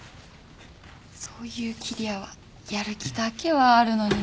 そういう桐矢はやる気だけはあるのにね。